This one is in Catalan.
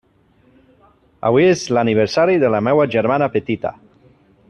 Avui és l'aniversari de la meva germana petita.